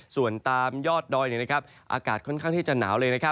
ส่วนตามยอดดอยอากาศค่อนข้างที่จะหนาวเลย